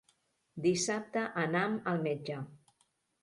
Dissabte anam al metge.